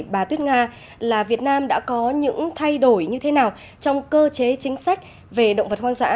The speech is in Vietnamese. bà tuyết nga là việt nam đã có những thay đổi như thế nào trong cơ chế chính sách về động vật hoang dã